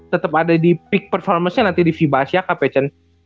tetep ada di peak performance nya nanti di fiba asia cup ya cen